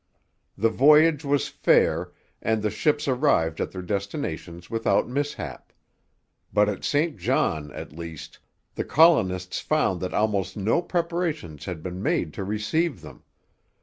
The voyage was fair, and the ships arrived at their destinations without mishap. But at St John at least, the colonists found that almost no preparations had been made to receive them.